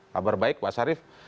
habar baik pak syarif